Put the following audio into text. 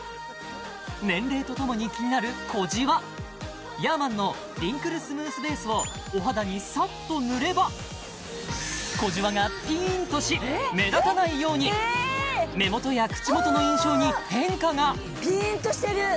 年齢とともに気になる小じわヤーマンのリンクルスムースベースをお肌にさっと塗れば小じわがピーンとし目立たないように目元や口元の印象に変化がピーンとしてる！